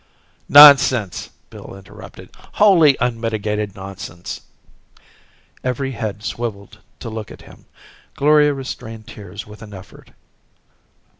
"Nonsense!" Bill interrupted. "Holy, unmitigated nonsense!" Every head swivelled to look at him. Gloria restrained tears with an effort.